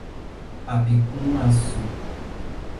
Apicum-Açu